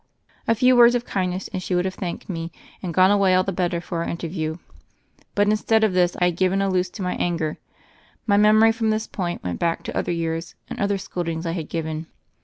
A few words of kindness, and she would have thanked me, and gone away all the better for our interview. But, instead of this, I had given' a loose to my anger. My memory from this point went back to other years and other scoldings I had given.